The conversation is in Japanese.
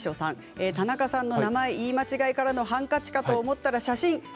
田中さんの名前言い間違いからのハンカチから写真。